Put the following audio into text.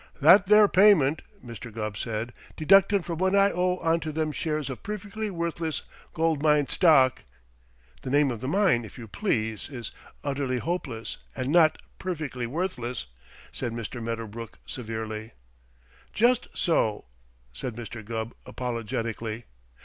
"That there payment," Mr. Gubb said, "deducted from what I owe onto them shares of Perfectly Worthless Gold Mine Stock " "The name of the mine, if you please, is Utterly Hopeless and not Perfectly Worthless," said Mr. Medderbrook severely. "Just so," said Mr. Gubb apologetically.